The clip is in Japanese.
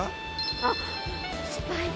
あっ「スパイ」だ。